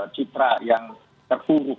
citra yang terpuruk